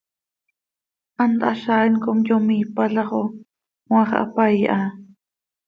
Hant hazaain com yomiipala xo cmaax hapaii ha.